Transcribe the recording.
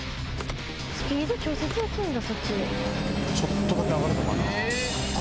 スピード調節できるんだ。